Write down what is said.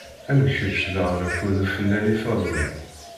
Am kečč daɣen akked ufennan ifazen.